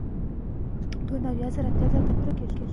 که ژوند وي نو هیله نه مري.